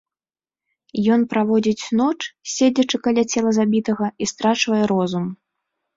Ён праводзіць ноч, седзячы каля цела забітага, і страчвае розум.